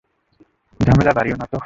ঝামেলা বাড়িও নাতো।